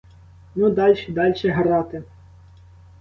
Ну, дальше, дальше грати!